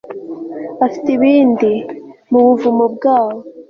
afite ibindi , mu buvumo bwabo